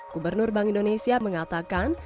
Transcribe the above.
gubernur bank indonesia mengatakan